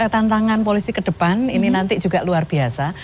tantangan polisi ke depan ini nanti juga luar biasa